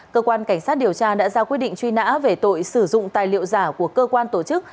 cơ quan cảnh sát điều tra đã ra quyết định truy nã về tội sử dụng tài liệu giả của cơ quan tổ chức